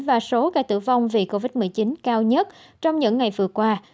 và số ca tử vong vì covid một mươi chín cao nhất trong những ngày vừa qua